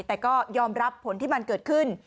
แต่ก็ยอมรับผลที่มันเกิดขึ้น